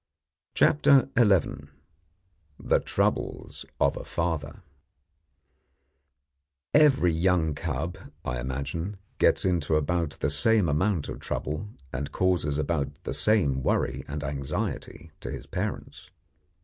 CHAPTER XI THE TROUBLES OF A FATHER Every young cub, I imagine, gets into about the same amount of trouble and causes about the same worry and anxiety to his parents.